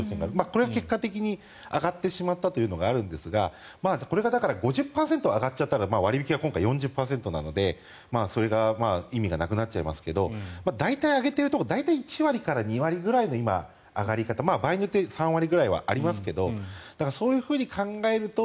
これは結果的に上がってしまったというのがあるんですがこれが５０％上がっちゃったら割引が今回４０％なのでそれが意味がなくなりますが大体、上げているところ１割から２割くらいの今、上がり方場合によっては３割ぐらいはありますがそういうふうに考えると